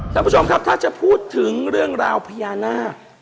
ท่านผู้ชมครับถ้าจะพูดถึงเรื่องราวพญานาค